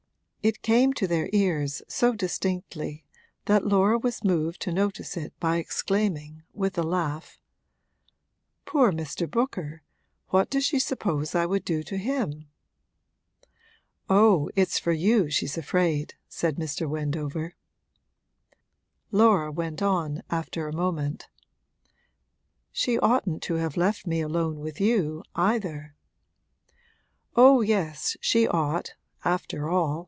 It came to their ears so distinctly that Laura was moved to notice it by exclaiming, with a laugh: 'Poor Mr. Booker, what does she suppose I would do to him?' 'Oh, it's for you she's afraid,' said Mr. Wendover. Laura went on, after a moment: 'She oughtn't to have left me alone with you, either.' 'Oh yes, she ought after all!'